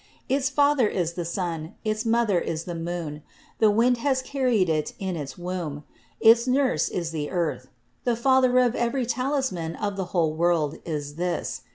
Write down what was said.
"Its father is the sun, its mother is the moon. The wind has carried it in its womb. Its nurse is the earth. The father of every talisman of the whole world is this.